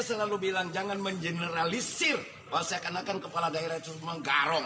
selalu bilang jangan mengeneralisir bahwa saya kenakan kepala daerah cuma garong